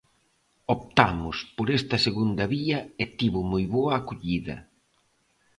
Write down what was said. Optamos por esta segunda vía e tivo moi boa acollida.